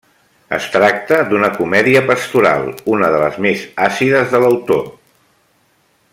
Es tracta d'una comèdia pastoral, una de les més àcides de l'autor.